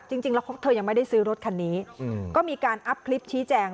จริงแล้วเธอยังไม่ได้ซื้อรถคันนี้ก็มีการอัพคลิปชี้แจง